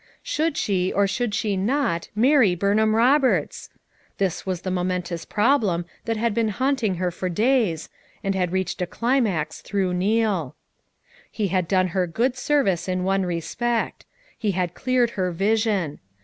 Should she, or should she not, marry Burn ham Roberts? This was the momentous prob lem that had been haunting her for days, and had reached a climax through Neal He had done her good service in one respect; he had cleared her vision.